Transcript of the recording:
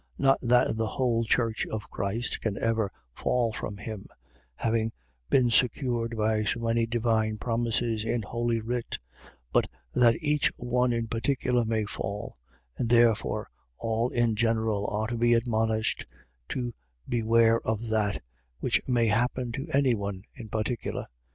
Not that the whole church of Christ can ever fall from him; having been secured by so many divine promises in holy writ; but that each one in particular may fall; and therefore all in general are to be admonished to beware of that, which may happen to any one in particular.